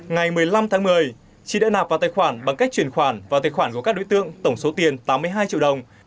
ngày một mươi năm tháng một mươi chị đã nạp vào tài khoản bằng cách truyền khoản vào tài khoản của các đối tượng tổng số tiền tám mươi hai triệu đồng